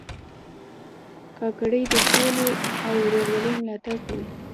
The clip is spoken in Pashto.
کاکړي د سولې او ورورولۍ ملاتړ کوي.